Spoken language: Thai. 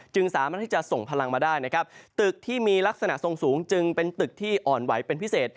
สามารถที่จะส่งพลังมาได้นะครับตึกที่มีลักษณะทรงสูงจึงเป็นตึกที่อ่อนไหวเป็นพิเศษ